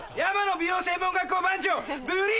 美容専門学校番長。